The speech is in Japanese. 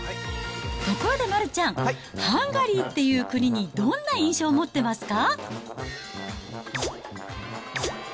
ところで丸ちゃん、ハンガリーっていう国にどんな印象を持ってますか？